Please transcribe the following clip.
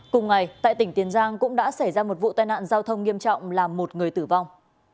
cùng ngày tại tỉnh tiền giang cũng đã xảy ra một vụ tai nạn giao thông nghiêm trọng làm một người tử vong